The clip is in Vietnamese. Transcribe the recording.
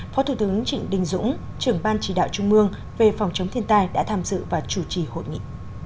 phó thủ tướng trịnh đình dũng trưởng ban chỉ đạo trung mương về phòng chống thiên tai đã tham dự và chủ trì hội nghị